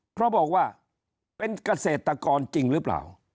เพราะบอกว่าเป็นเกษตรกรจริงหรือเปล่า